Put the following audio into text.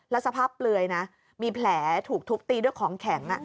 แล้วสภาพเปลือยนะมีแผลถูกทุบตีด้วยของแข็ง